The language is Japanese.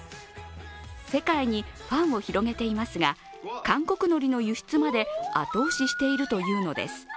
世界にファンを広げていますが韓国のりの輸出まで後押ししているというのです。